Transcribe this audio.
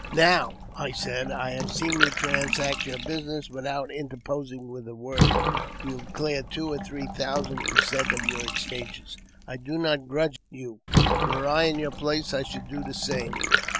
"Now," I said, "I have seen you transact your business without interposing with a word. You have cleared two or three thousand per cent, of your exchanges. I do not grudge it you. Were I in your place I should do the same.